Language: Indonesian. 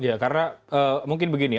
ya karena mungkin begini